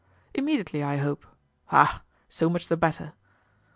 "Immediately, I hope." "Ah! so much the better!"